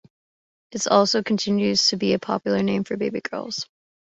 It also continues to be a popular name for baby girls.